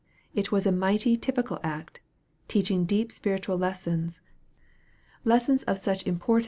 It was a mighty typi cal act, teaching deep spiritual lessons, lessons of such importai.